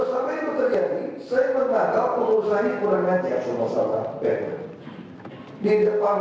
saya kira yang diinginkan ya masyarakat pendat termasuk penumpang